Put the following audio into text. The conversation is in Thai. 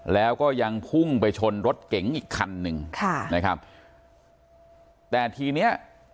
แล้วก็ยังพุ่งไปชนรถเก๋งอีกคันหนึ่งค่ะนะครับแต่ทีเนี้ย